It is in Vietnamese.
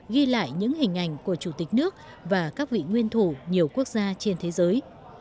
ghi lại những hình ảnh của chủ tịch nước và các vị nguyên thủ nhiều quốc gia trên thế giới